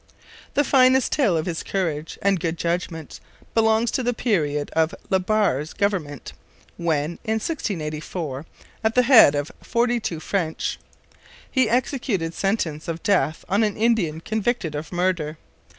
The finest tale of his courage and good judgment belongs to the period of La Barre's government when, in 1684, at the head of forty two French, he executed sentence of death on an Indian convicted of murder.